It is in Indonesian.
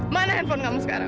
mana handphone kamu sekarang